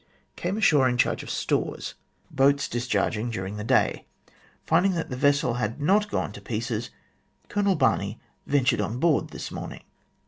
Came ashore in charge of stores. Boats discharging during the day. Finding that the vessel had not gone to pieces, Colonel Barney ventured on board this morning."